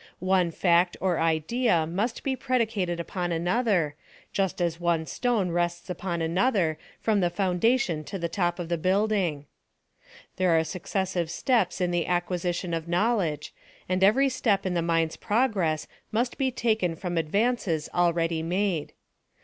One fact or idea must be predi cated upon another, just as one stone rests upon an other, from the foundation to the top of the building There are successive steps in the acquisition of knowledge, and every step in the mind's progress must be taken from advances already made.